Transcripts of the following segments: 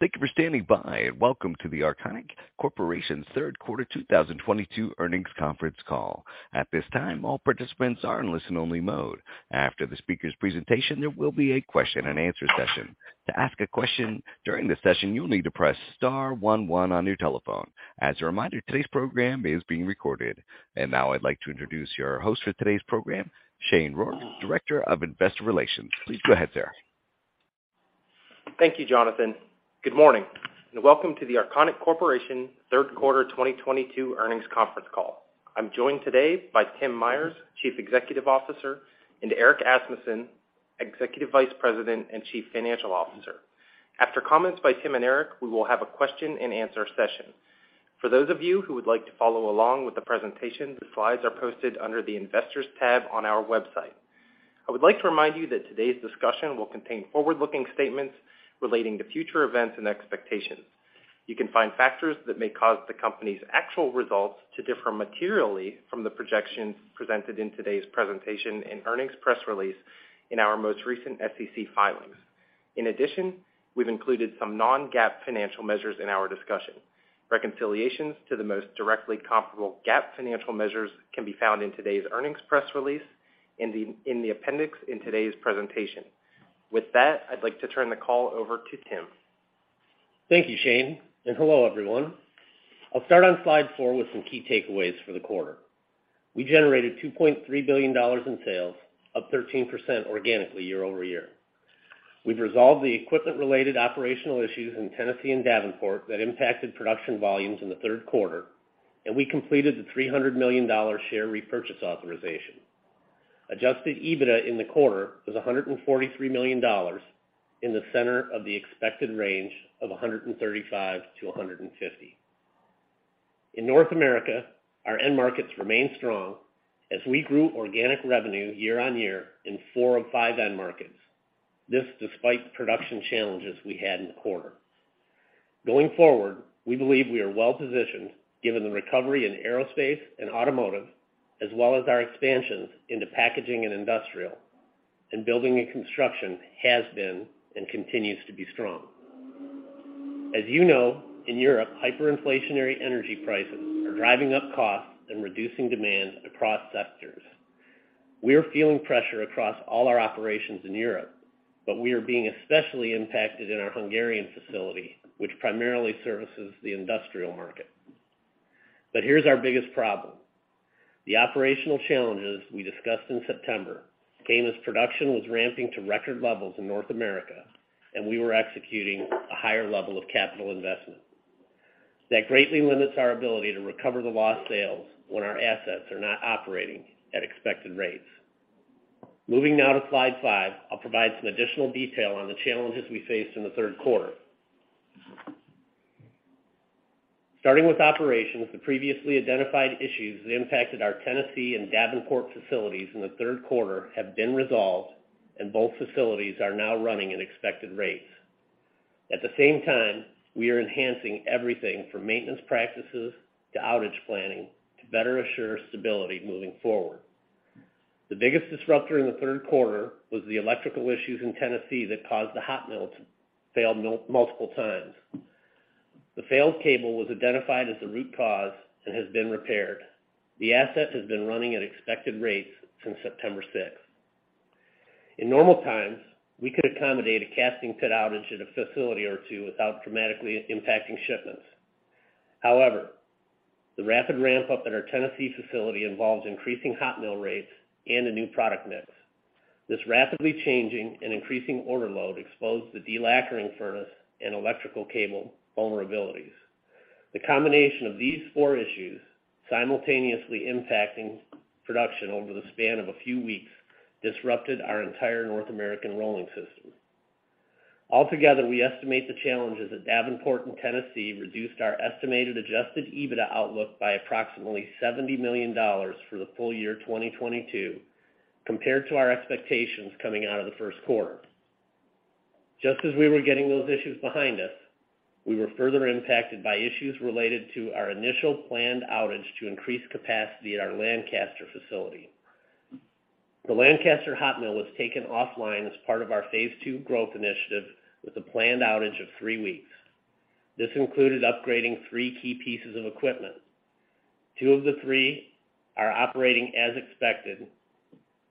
Thank you for standing by, and welcome to the Arconic Corporation third quarter 2022 earnings conference call. At this time, all participants are in listen-only mode. After the speaker's presentation, there will be a question and answer session. To ask a question during the session, you'll need to press star one one on your telephone. As a reminder, today's program is being recorded. Now I'd like to introduce your host for today's program, Shane Rourke, Director of Investor Relations. Please go ahead, sir. Thank you, Jonathan. Good morning, and welcome to the Arconic Corporation third quarter 2022 earnings conference call. I'm joined today by Tim Myers, Chief Executive Officer, and Erick Asmussen, Executive Vice President and Chief Financial Officer. After comments by Tim and Erick, we will have a question and answer session. For those of you who would like to follow along with the presentation, the slides are posted under the Investors tab on our website. I would like to remind you that today's discussion will contain forward-looking statements relating to future events and expectations. You can find factors that may cause the company's actual results to differ materially from the projections presented in today's presentation and earnings press release in our most recent SEC filings. In addition, we've included some non-GAAP financial measures in our discussion. Reconciliations to the most directly comparable GAAP financial measures can be found in today's earnings press release in the appendix in today's presentation. With that, I'd like to turn the call over to Tim. Thank you, Shane, and hello, everyone. I'll start on slide four with some key takeaways for the quarter. We generated $2.3 billion in sales, up 13% organically year-over-year. We've resolved the equipment-related operational issues in Tennessee and Davenport that impacted production volumes in the third quarter, and we completed the $300 million share repurchase authorization. Adjusted EBITDA in the quarter was $143 million in the center of the expected range of $135 million-$150 million. In North America, our end markets remain strong as we grew organic revenue year-on-year in four of five end markets. This despite production challenges we had in the quarter. Going forward, we believe we are well-positioned given the recovery in aerospace and automotive, as well as our expansions into packaging and industrial, and Building and Construction has been and continues to be strong. As you know, in Europe, hyperinflationary energy prices are driving up costs and reducing demand across sectors. We are feeling pressure across all our operations in Europe, but we are being especially impacted in our Hungarian facility, which primarily services the industrial market. Here's our biggest problem. The operational challenges we discussed in September came as production was ramping to record levels in North America, and we were executing a higher level of capital investment. That greatly limits our ability to recover the lost sales when our assets are not operating at expected rates. Moving now to slide five, I'll provide some additional detail on the challenges we faced in the third quarter. Starting with operations, the previously identified issues that impacted our Tennessee and Davenport facilities in the third quarter have been resolved, and both facilities are now running at expected rates. At the same time, we are enhancing everything from maintenance practices to outage planning to better assure stability moving forward. The biggest disruptor in the third quarter was the electrical issues in Tennessee that caused the hot mill to fail multiple times. The failed cable was identified as the root cause and has been repaired. The asset has been running at expected rates since September sixth. In normal times, we could accommodate a casting pit outage at a facility or two without dramatically impacting shipments. However, the rapid ramp-up at our Tennessee facility involves increasing hot mill rates and a new product mix. This rapidly changing and increasing order load exposed the delacquering furnace and electrical cable vulnerabilities. The combination of these four issues simultaneously impacting production over the span of a few weeks disrupted our entire North American rolling system. Altogether, we estimate the challenges at Davenport and Tennessee reduced our estimated Adjusted EBITDA outlook by approximately $70 million for the full year 2022 compared to our expectations coming out of the first quarter. Just as we were getting those issues behind us, we were further impacted by issues related to our initial planned outage to increase capacity at our Lancaster facility. The Lancaster hot mill was taken offline as part of our Phase Two growth initiative with a planned outage of three weeks. This included upgrading three key pieces of equipment. Two of the three are operating as expected,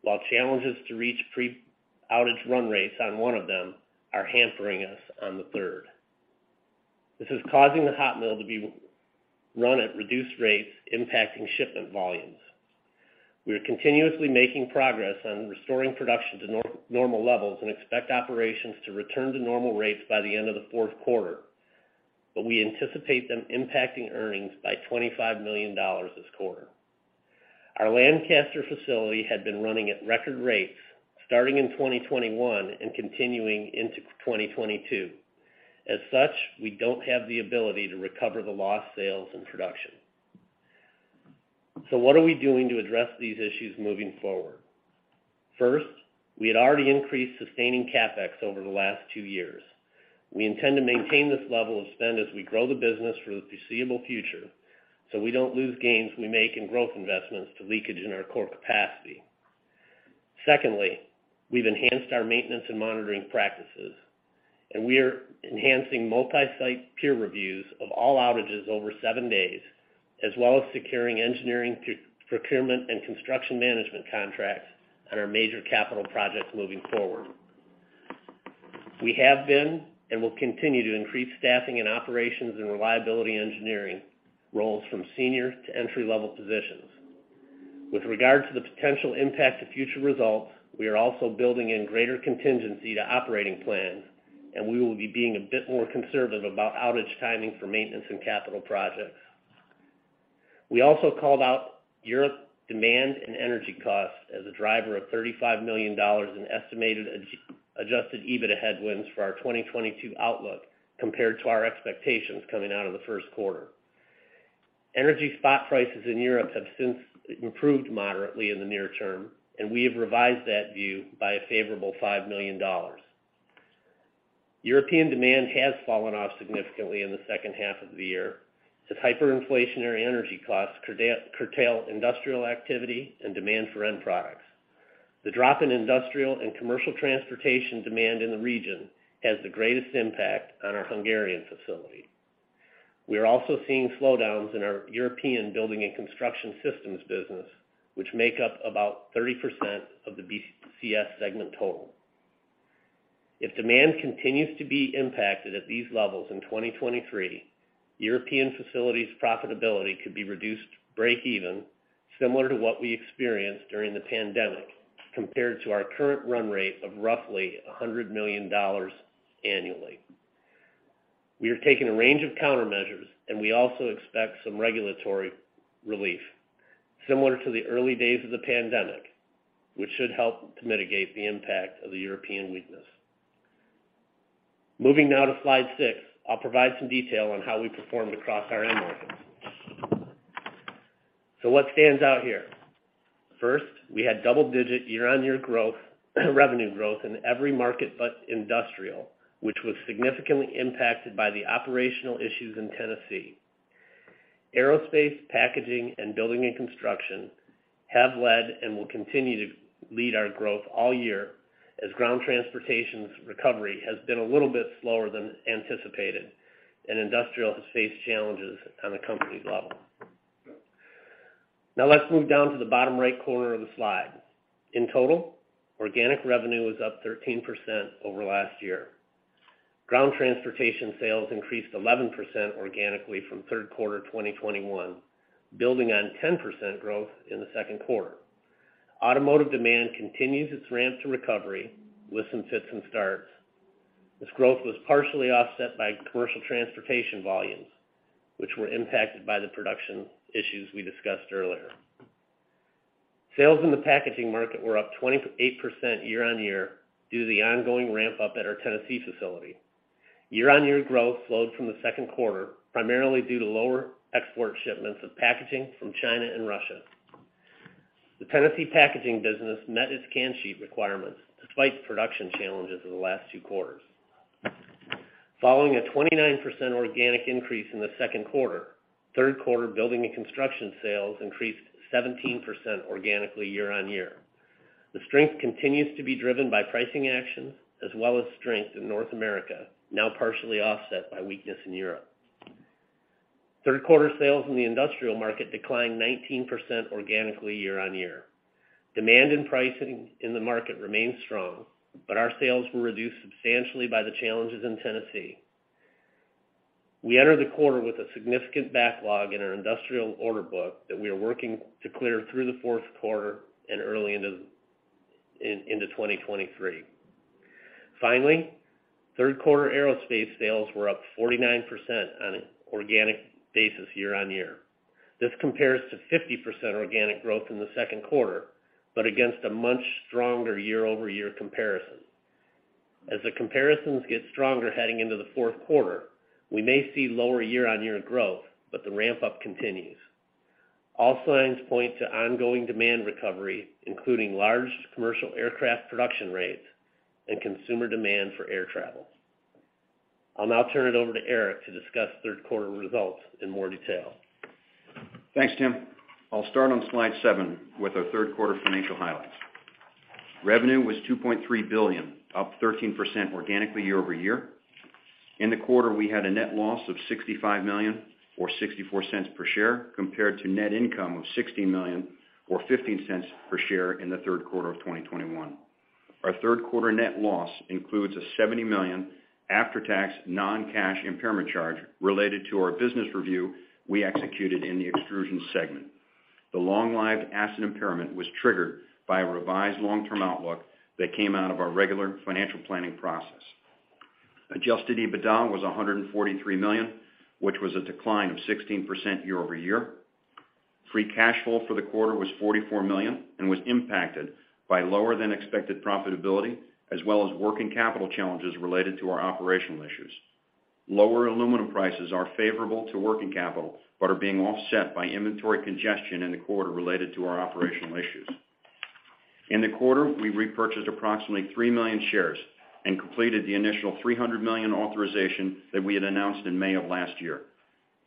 while challenges to reach pre-outage run rates on one of them are hampering us on the third. This is causing the hot mill to be run at reduced rates, impacting shipment volumes. We are continuously making progress on restoring production to normal levels and expect operations to return to normal rates by the end of the fourth quarter, but we anticipate them impacting earnings by $25 million this quarter. Our Lancaster facility had been running at record rates starting in 2021 and continuing into 2022. As such, we don't have the ability to recover the lost sales and production. What are we doing to address these issues moving forward? First, we had already increased sustaining CapEx over the last two years. We intend to maintain this level of spend as we grow the business for the foreseeable future, so we don't lose gains we make in growth investments to leakage in our core capacity. Secondly, we've enhanced our maintenance and monitoring practices, and we are enhancing multi-site peer reviews of all outages over seven days, as well as securing engineering, procurement, and construction management contracts on our major capital projects moving forward. We have been and will continue to increase staffing and operations and reliability engineering roles from senior to entry-level positions. With regard to the potential impact to future results, we are also building in greater contingency to operating plans, and we will be being a bit more conservative about outage timing for maintenance and capital projects. We also called out Europe demand and energy costs as a driver of $35 million in estimated adjusted EBITDA headwinds for our 2022 outlook compared to our expectations coming out of the first quarter. Energy spot prices in Europe have since improved moderately in the near term, and we have revised that view by a favorable $5 million. European demand has fallen off significantly in the second half of the year as hyperinflationary energy costs curtail industrial activity and demand for end products. The drop in industrial and commercial transportation demand in the region has the greatest impact on our Hungarian facility. We are also seeing slowdowns in our European Building and Construction Systems business, which make up about 30% of the BCS segment total. If demand continues to be impacted at these levels in 2023, European facilities profitability could be reduced to break even, similar to what we experienced during the pandemic, compared to our current run rate of roughly $100 million annually. We are taking a range of countermeasures, and we also expect some regulatory relief similar to the early days of the pandemic, which should help to mitigate the impact of the European weakness. Moving now to slide six, I'll provide some detail on how we performed across our end markets. What stands out here? First, we had double-digit year-on-year revenue growth in every market but industrial, which was significantly impacted by the operational issues in Tennessee. Aerospace, packaging, and Building and Construction have led and will continue to lead our growth all year, as ground transportation's recovery has been a little bit slower than anticipated, and industrial has faced challenges on the company's level. Now let's move down to the bottom right corner of the slide. In total, organic revenue was up 13% over last year. Ground transportation sales increased 11% organically from third quarter 2021, building on 10% growth in the second quarter. Automotive demand continues its ramp to recovery with some fits and starts. This growth was partially offset by commercial transportation volumes, which were impacted by the production issues we discussed earlier. Sales in the packaging market were up 28% year-on-year due to the ongoing ramp up at our Tennessee facility. Year-on-year growth slowed from the second quarter, primarily due to lower export shipments of packaging from China and Russia. The Tennessee packaging business met its can sheet requirements despite production challenges in the last two quarters. Following a 29% organic increase in the second quarter, third quarter Building and Construction sales increased 17% organically year-on-year. The strength continues to be driven by pricing actions as well as strength in North America, now partially offset by weakness in Europe. Third quarter sales in the industrial market declined 19% organically year-on-year. Demand and pricing in the market remains strong, but our sales were reduced substantially by the challenges in Tennessee. We entered the quarter with a significant backlog in our industrial order book that we are working to clear through the fourth quarter and early into 2023. Finally, third quarter aerospace sales were up 49% on an organic basis year-on-year. This compares to 50% organic growth in the second quarter, but against a much stronger year-over-year comparison. As the comparisons get stronger heading into the fourth quarter, we may see lower year-on-year growth, but the ramp-up continues. All signs point to ongoing demand recovery, including large commercial aircraft production rates and consumer demand for air travel. I'll now turn it over to Erick to discuss third quarter results in more detail. Thanks, Tim. I'll start on slide seven with our third quarter financial highlights. Revenue was $2.3 billion, up 13% organically year-over-year. In the quarter, we had a net loss of $65 million, or $0.64 per share, compared to net income of $60 million or $0.15 per share in the third quarter of 2021. Our third quarter net loss includes a $70 million after-tax non-cash impairment charge related to our business review we executed in the Extrusions segment. The long-lived asset impairment was triggered by a revised long-term outlook that came out of our regular financial planning process. Adjusted EBITDA was $143 million, which was a decline of 16% year-over-year. Free cash flow for the quarter was $44 million and was impacted by lower than expected profitability as well as working capital challenges related to our operational issues. Lower aluminum prices are favorable to working capital, but are being offset by inventory congestion in the quarter related to our operational issues. In the quarter, we repurchased approximately 3 million shares and completed the initial $300 million authorization that we had announced in May of last year.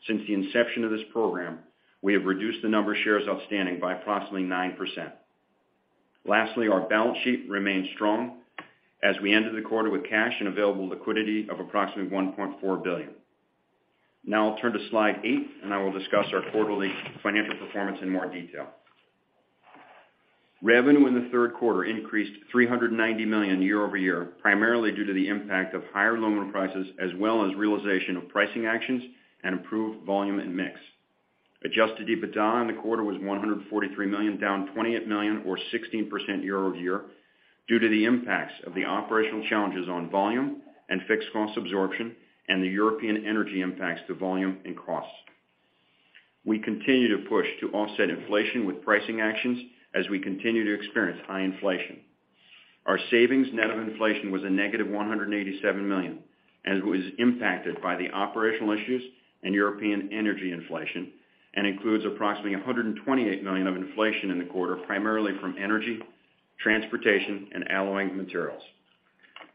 Since the inception of this program, we have reduced the number of shares outstanding by approximately 9%. Lastly, our balance sheet remains strong as we enter the quarter with cash and available liquidity of approximately $1.4 billion. Now I'll turn to slide eight, and I will discuss our quarterly financial performance in more detail. Revenue in the third quarter increased $390 million year-over-year, primarily due to the impact of higher aluminum prices as well as realization of pricing actions and improved volume and mix. Adjusted EBITDA in the quarter was $143 million, down $28 million or 16% year-over-year due to the impacts of the operational challenges on volume and fixed cost absorption and the European energy impacts to volume and cost. We continue to push to offset inflation with pricing actions as we continue to experience high inflation. Our savings net of inflation was a negative $187 million, and it was impacted by the operational issues and European energy inflation, and includes approximately $128 million of inflation in the quarter, primarily from energy, transportation, and alloying materials.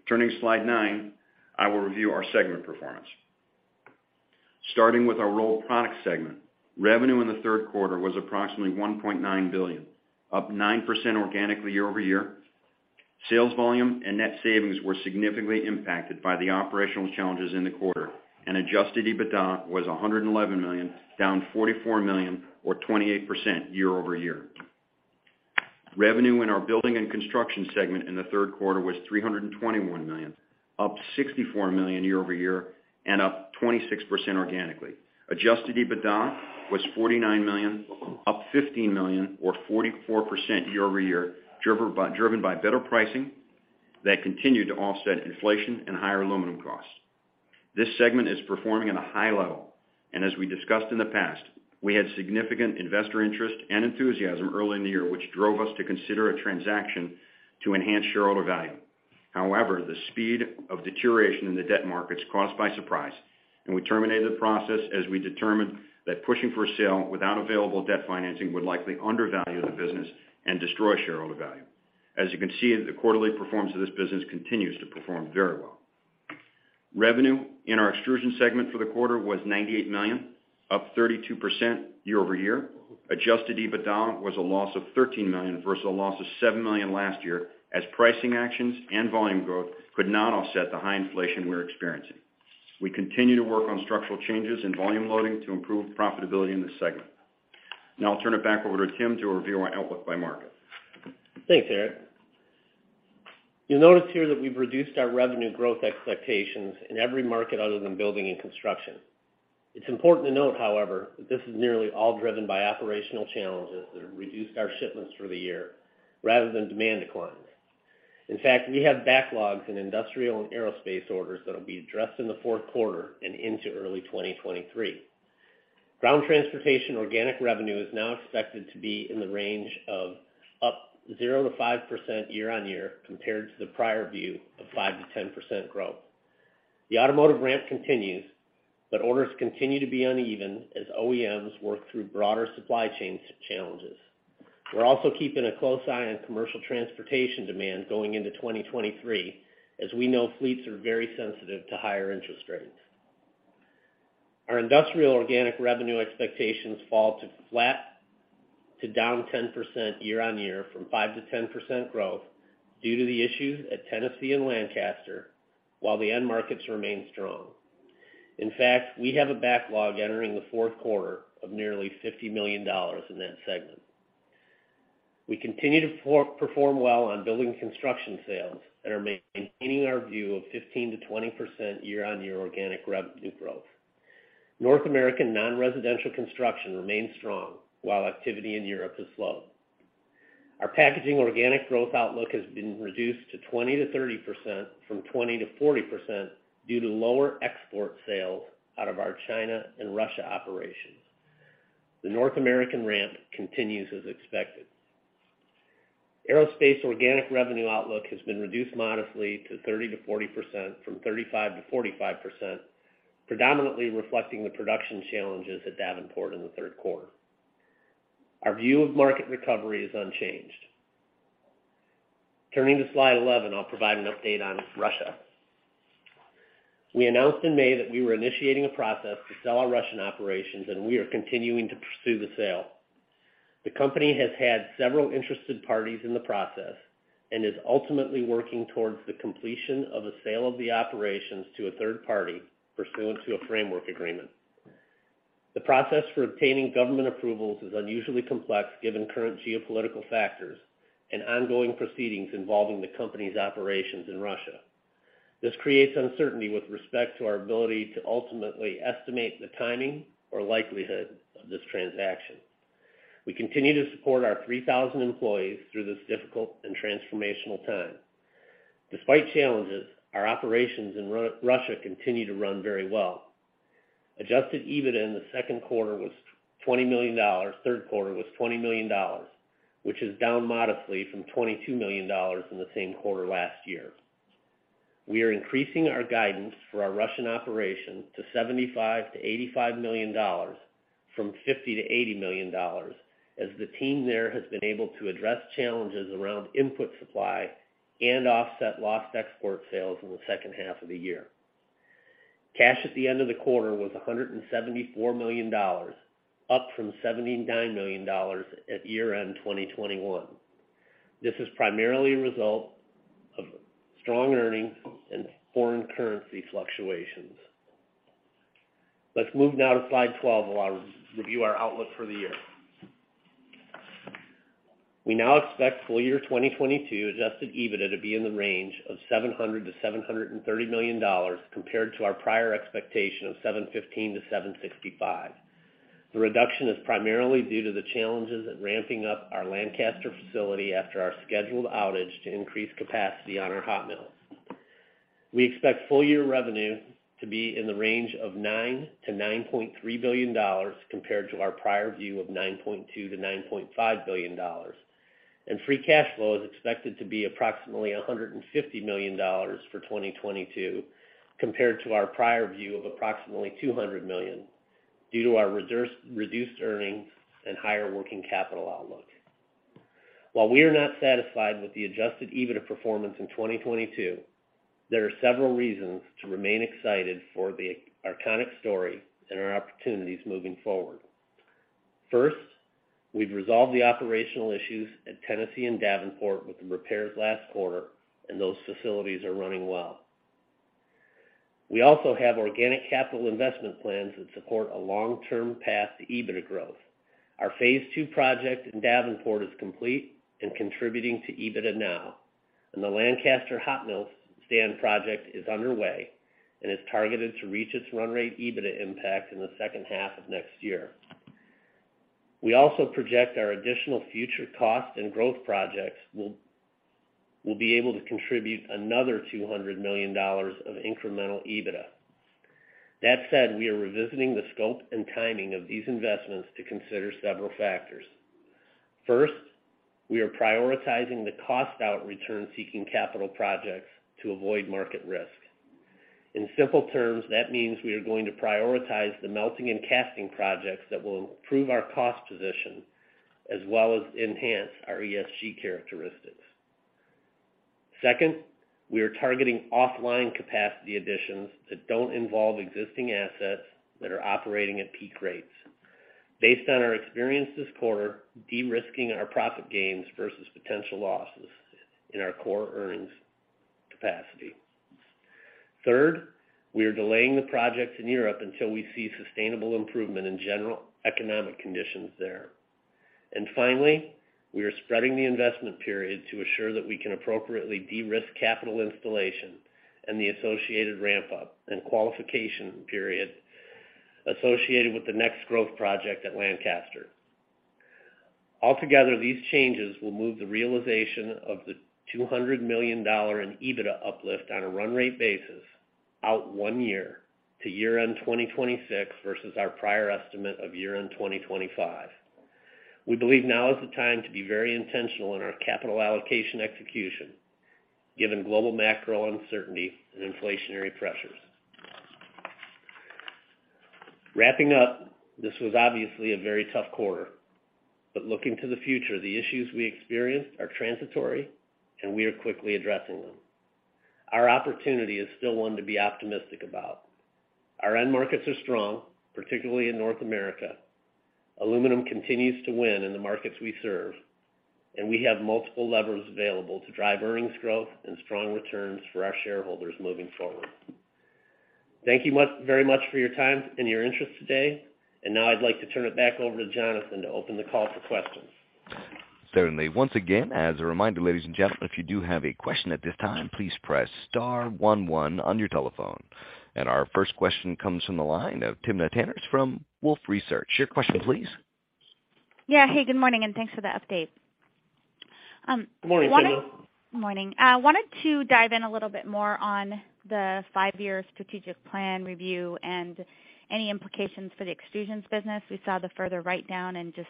Turning to slide nine, I will review our segment performance. Starting with our Rolled Products segment, revenue in the third quarter was approximately $1.9 billion, up 9% organically year-over-year. Sales volume and net savings were significantly impacted by the operational challenges in the quarter, and Adjusted EBITDA was $111 million, down $44 million or 28% year-over-year. Revenue in our Building and Construction segment in the third quarter was $321 million, up $64 million year-over-year and up 26% organically. Adjusted EBITDA was $49 million, up $15 million or 44% year-over-year, driven by better pricing that continued to offset inflation and higher aluminum costs. This segment is performing at a high level, and as we discussed in the past, we had significant investor interest and enthusiasm early in the year, which drove us to consider a transaction to enhance shareholder value. However, the speed of deterioration in the debt markets caught us by surprise, and we terminated the process as we determined that pushing for a sale without available debt financing would likely undervalue the business and destroy shareholder value. As you can see, the quarterly performance of this business continues to perform very well. Revenue in our Extrusions segment for the quarter was $98 million, up 32% year-over-year. Adjusted EBITDA was a loss of $13 million versus a loss of $7 million last year, as pricing actions and volume growth could not offset the high inflation we're experiencing. We continue to work on structural changes in volume loading to improve profitability in this segment. Now I'll turn it back over to Tim to review our outlook by market. Thanks, Erick. You'll notice here that we've reduced our revenue growth expectations in every market other than Building and Construction. It's important to note, however, that this is nearly all driven by operational challenges that reduced our shipments through the year rather than demand declines. In fact, we have backlogs in industrial and aerospace orders that'll be addressed in the fourth quarter and into early 2023. Ground transportation organic revenue is now expected to be in the range of up 0%-5% year-over-year compared to the prior view of 5%-10% growth. The automotive ramp continues, but orders continue to be uneven as OEMs work through broader supply chain challenges. We're also keeping a close eye on commercial transportation demand going into 2023, as we know fleets are very sensitive to higher interest rates. Our industrial organic revenue expectations fall to flat to down 10% year-on-year from 5%-10% growth due to the issues at Tennessee and Lancaster, while the end markets remain strong. In fact, we have a backlog entering the fourth quarter of nearly $50 million in that segment. We continue to outperform well on building construction sales and are maintaining our view of 15%-20% year-on-year organic revenue growth. North American non-residential construction remains strong while activity in Europe has slowed. Our packaging organic growth outlook has been reduced to 20%-30% from 20%-40% due to lower export sales out of our China and Russia operations. The North American ramp continues as expected. Aerospace organic revenue outlook has been reduced modestly to 30%-40% from 35%-45%, predominantly reflecting the production challenges at Davenport in the third quarter. Our view of market recovery is unchanged. Turning to slide 11, I'll provide an update on Russia. We announced in May that we were initiating a process to sell our Russian operations, and we are continuing to pursue the sale. The company has had several interested parties in the process and is ultimately working towards the completion of the sale of the operations to a third party pursuant to a framework agreement. The process for obtaining government approvals is unusually complex given current geopolitical factors and ongoing proceedings involving the company's operations in Russia. This creates uncertainty with respect to our ability to ultimately estimate the timing or likelihood of this transaction. We continue to support our 3,000 employees through this difficult and transformational time. Despite challenges, our operations in Russia continue to run very well. Adjusted EBITDA in the second quarter was $20 million, third quarter was $20 million, which is down modestly from $22 million in the same quarter last year. We are increasing our guidance for our Russian operations to $75 million-$85 million from $50 million to $80 million as the team there has been able to address challenges around input supply and offset lost export sales in the second half of the year. Cash at the end of the quarter was $174 million, up from $79 million at year-end 2021. This is primarily a result of strong earnings and foreign currency fluctuations. Let's move now to slide 12 where I'll review our outlook for the year. We now expect full year 2022 Adjusted EBITDA to be in the range of $700-$730 million compared to our prior expectation of $715-$765 million. The reduction is primarily due to the challenges of ramping up our Lancaster facility after our scheduled outage to increase capacity on our hot mills. We expect full-year revenue to be in the range of $9-$9.3 billion compared to our prior view of $9.2-$9.5 billion. Free Cash Flow is expected to be approximately $150 million for 2022 compared to our prior view of approximately $200 million due to our reduced earnings and higher working capital outlook. While we are not satisfied with the adjusted EBITDA performance in 2022, there are several reasons to remain excited for our Arconic story and our opportunities moving forward. First, we've resolved the operational issues at Tennessee and Davenport with the repairs last quarter, and those facilities are running well. We also have organic capital investment plans that support a long-term path to EBITDA growth. Our Phase Two project in Davenport is complete and contributing to EBITDA now, and the Lancaster hot mill stand project is underway, and is targeted to reach its run rate EBITDA impact in the second half of next year. We also project our additional future CapEx and growth projects will be able to contribute another $200 million of incremental EBITDA. That said, we are revisiting the scope and timing of these investments to consider several factors. First, we are prioritizing the cost out return-seeking capital projects to avoid market risk. In simple terms, that means we are going to prioritize the melting and casting projects that will improve our cost position as well as enhance our ESG characteristics. Second, we are targeting offline capacity additions that don't involve existing assets that are operating at peak rates. Based on our experience this quarter, de-risking our profit gains versus potential losses in our core earnings capacity. Third, we are delaying the projects in Europe until we see sustainable improvement in general economic conditions there. Finally, we are spreading the investment period to assure that we can appropriately de-risk capital installation and the associated ramp-up and qualification period associated with the next growth project at Lancaster. Altogether, these changes will move the realization of the $200 million in EBITDA uplift on a run rate basis out one year to year-end 2026 versus our prior estimate of year-end 2025. We believe now is the time to be very intentional in our capital allocation execution, given global macro uncertainty and inflationary pressures. Wrapping up, this was obviously a very tough quarter. Looking to the future, the issues we experienced are transitory, and we are quickly addressing them. Our opportunity is still one to be optimistic about. Our end markets are strong, particularly in North America. Aluminum continues to win in the markets we serve, and we have multiple levers available to drive earnings growth and strong returns for our shareholders moving forward. Thank you very much for your time and your interest today. Now I'd like to turn it back over to Jonathan to open the call for questions. Certainly. Once again, as a reminder, ladies and gentlemen, if you do have a question at this time, please press star one one on your telephone. Our first question comes from the line of Timna Tanners from Wolfe Research. Your question, please. Yeah. Hey, good morning, and thanks for the update. Good morning, Timna. Morning. I wanted to dive in a little bit more on the five-year strategic plan review and any implications for the Extrusions business. We saw the further write-down and just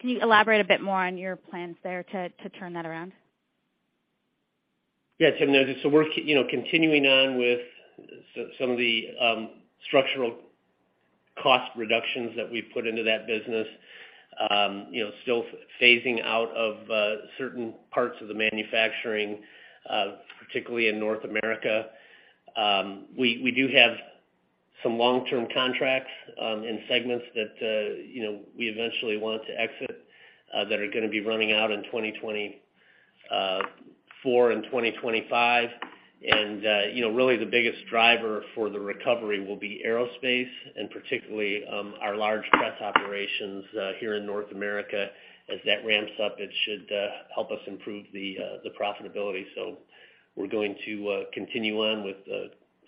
can you elaborate a bit more on your plans there to turn that around? Yeah, Timna. We're, you know, continuing on with some of the structural cost reductions that we've put into that business, you know, still phasing out of certain parts of the manufacturing, particularly in North America. We do have some long-term contracts in segments that, you know, we eventually want to exit, that are gonna be running out in 2024 and 2025. You know, really the biggest driver for the recovery will be aerospace and particularly our large press operations here in North America. As that ramps up, it should help us improve the profitability. We're going to continue on with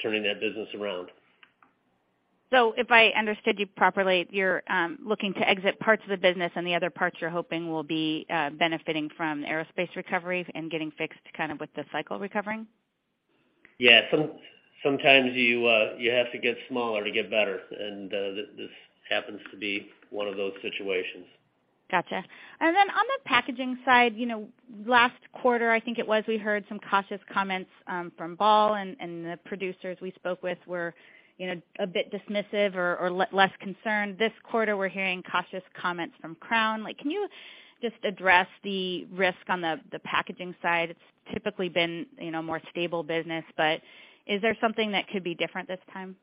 turning that business around. If I understood you properly, you're looking to exit parts of the business and the other parts you're hoping will be benefiting from aerospace recovery and getting fixed kind of with the cycle recovering? Yeah. Sometimes you have to get smaller to get better, and this happens to be one of those situations. Gotcha. On the packaging side, you know, last quarter, I think it was, we heard some cautious comments from Ball and the producers we spoke with were, you know, a bit dismissive or less concerned. This quarter, we're hearing cautious comments from Crown. Like, can you just address the risk on the packaging side? It's typically been, you know, more stable business, but is there something that could be different this time?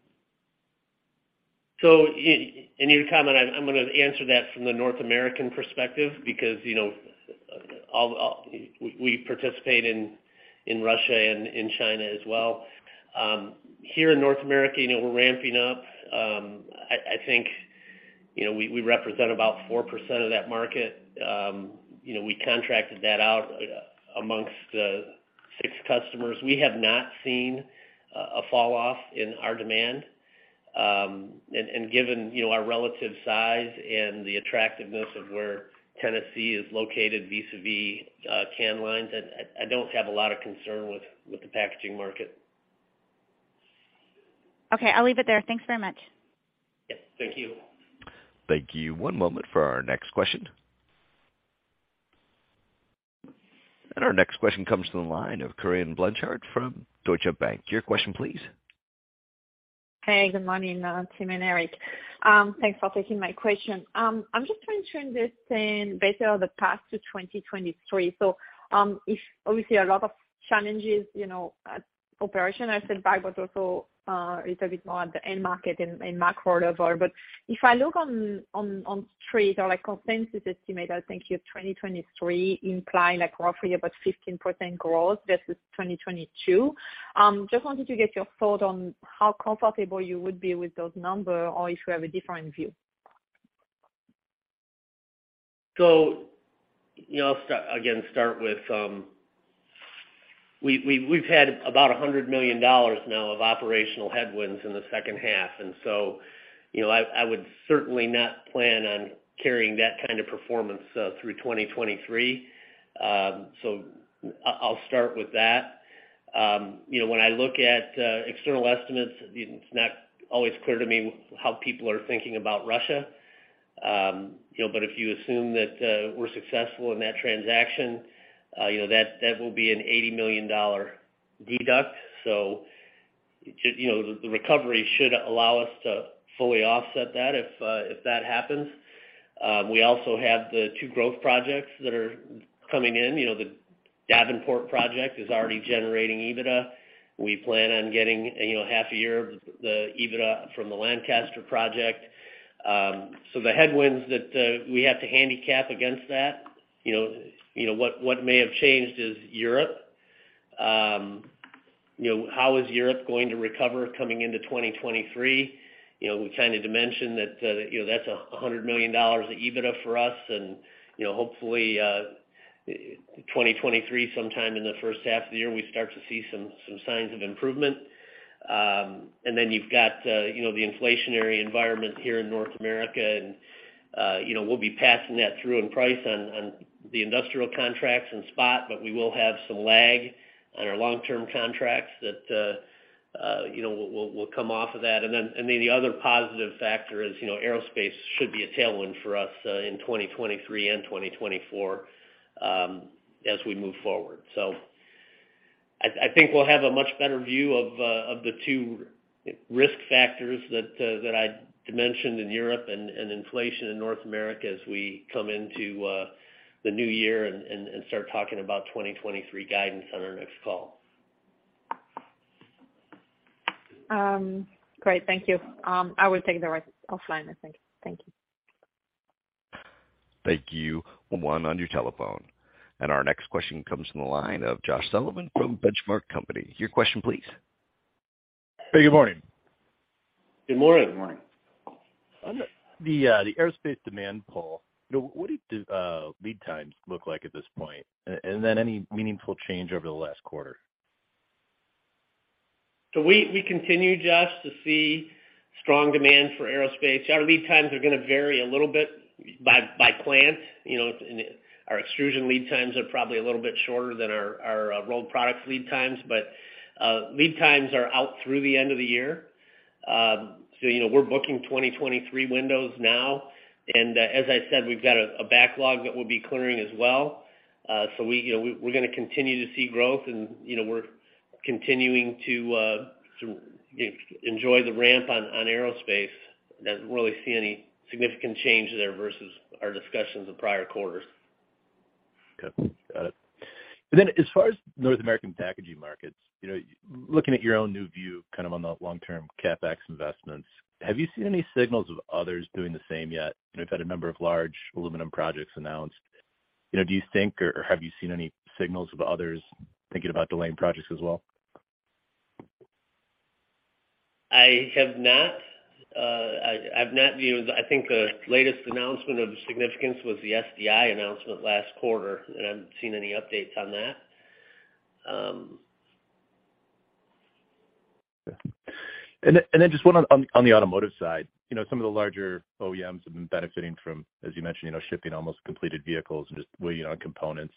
In your comment, I'm gonna answer that from the North American perspective because you know we all participate in Russia and in China as well. Here in North America, you know, we're ramping up. I think you know we represent about 4% of that market. You know, we contracted that out among six customers. We have not seen a falloff in our demand. And given you know our relative size and the attractiveness of where Tennessee is located vis-a-vis can lines, I don't have a lot of concern with the packaging market. Okay. I'll leave it there. Thanks very much. Yeah. Thank you. Thank you. One moment for our next question. Our next question comes to the line of Corinne Blanchard from Deutsche Bank. Your question please. Hey, good morning, Tim and Erick. Thanks for taking my question. I'm just trying to understand better the path to 2023. If obviously a lot of challenges, you know, operational side, but also a little bit more at the end market and macro level. If I look on street or like consensus estimate, I think your 2023 imply like roughly about 15% growth versus 2022. Just wanted to get your thought on how comfortable you would be with those number or if you have a different view. You know, I'll again start with, we've had about $100 million now of operational headwinds in the second half. You know, I would certainly not plan on carrying that kind of performance through 2023. I'll start with that. You know, when I look at external estimates, you know, it's not always clear to me how people are thinking about Russia. You know, but if you assume that we're successful in that transaction, you know, that will be an $80 million deduct. You know, the recovery should allow us to fully offset that if that happens. We also have the two growth projects that are coming in. You know, the Davenport project is already generating EBITDA. We plan on getting, you know, half a year of the EBITDA from the Lancaster project. The headwinds that we have to handicap against that, you know, what may have changed is Europe. You know, how is Europe going to recover coming into 2023? You know, we kind of dimensioned that, you know, that's $100 million of EBITDA for us. You know, hopefully, 2023, sometime in the first half of the year, we start to see some signs of improvement. You've got, you know, the inflationary environment here in North America. You know, we'll be passing that through in price on the industrial contracts and spot, but we will have some lag on our long-term contracts that, you know, we'll come off of that. The other positive factor is, you know, aerospace should be a tailwind for us in 2023 and 2024 as we move forward. I think we'll have a much better view of the two risk factors that I'd mentioned in Europe and inflation in North America as we come into the new year and start talking about 2023 guidance on our next call. Great. Thank you. I will take the rest offline, I think. Thank you. Thank you. One on your telephone. Our next question comes from the line of Josh Sullivan from The Benchmark Company. Your question please. Hey, good morning. Good morning. Good morning. On the aerospace demand, Tim Myers, you know, what do lead times look like at this point? And then any meaningful change over the last quarter? We continue, Josh, to see strong demand for aerospace. Our lead times are gonna vary a little bit by plant. You know, our extrusion lead times are probably a little bit shorter than our rolled products lead times. Lead times are out through the end of the year. You know, we're booking 2023 windows now. As I said, we've got a backlog that we'll be clearing as well. You know, we're gonna continue to see growth and, you know, we're continuing to enjoy the ramp on aerospace. Doesn't really see any significant change there versus our discussions in prior quarters. Okay. Got it. As far as North American packaging markets, you know, looking at your own new view kind of on the long-term CapEx investments, have you seen any signals of others doing the same yet? You know, we've had a number of large aluminum projects announced. You know, do you think or have you seen any signals of others thinking about delaying projects as well? I have not, you know. I think the latest announcement of significance was the SDI announcement last quarter, and I haven't seen any updates on that. Okay. Just one on the automotive side. You know, some of the larger OEMs have been benefiting from, as you mentioned, you know, shipping almost completed vehicles and just waiting on components.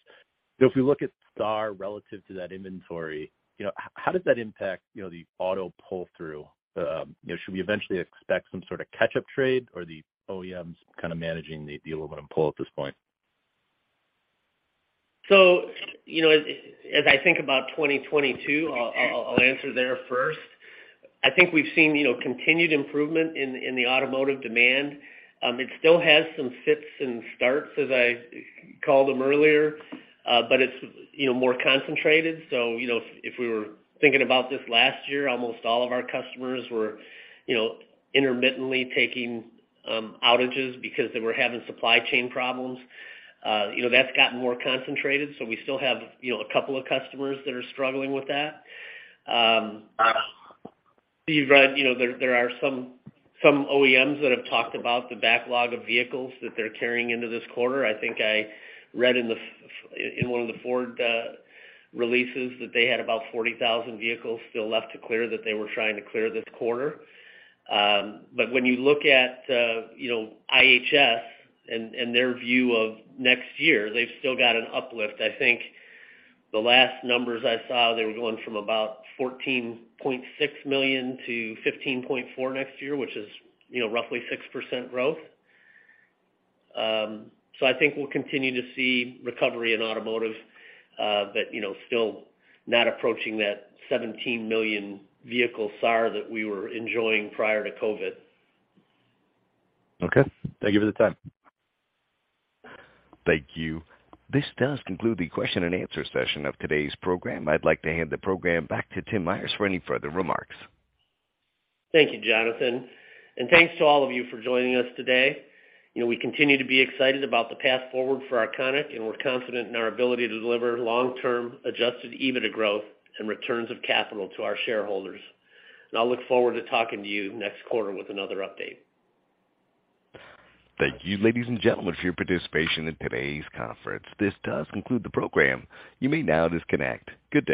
If we look at SAAR relative to that inventory, you know, how does that impact, you know, the auto pull-through? You know, should we eventually expect some sort of catch-up trade or the OEMs kind of managing the deal with pull at this point? You know, as I think about 2022, I'll answer there first. I think we've seen, you know, continued improvement in the automotive demand. It still has some fits and starts as I called them earlier, but it's, you know, more concentrated. You know, if we were thinking about this last year, almost all of our customers were, you know, intermittently taking outages because they were having supply chain problems. You know, that's gotten more concentrated, so we still have, you know, a couple of customers that are struggling with that. You've read, you know, there are some OEMs that have talked about the backlog of vehicles that they're carrying into this quarter. I think I read in one of the Ford releases that they had about 40,000 vehicles still left to clear that they were trying to clear this quarter. When you look at, you know, IHS and their view of next year, they've still got an uplift. I think the last numbers I saw, they were going from about 14.6 million to 15.4 million next year, which is, you know, roughly 6% growth. I think we'll continue to see recovery in automotive, but, you know, still not approaching that 17 million vehicle SAAR that we were enjoying prior to COVID. Okay. Thank you for the time. Thank you. This does conclude the question and answer session of today's program. I'd like to hand the program back to Tim Myers for any further remarks. Thank you, Jonathan, and thanks to all of you for joining us today. You know, we continue to be excited about the path forward for Arconic, and we're confident in our ability to deliver long-term Adjusted EBITDA growth and returns of capital to our shareholders. I'll look forward to talking to you next quarter with another update. Thank you, ladies and gentlemen, for your participation in today's conference. This does conclude the program. You may now disconnect. Good day.